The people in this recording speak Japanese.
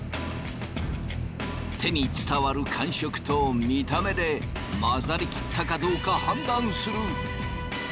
手に伝わる感触と見た目で混ざりきったかどうか判断する。